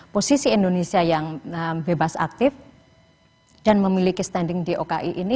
posisi indonesia yang bebas aktif dan memiliki standing di oki ini